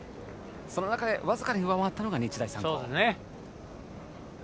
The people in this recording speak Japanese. その中で僅かに上回ったのが日大三高。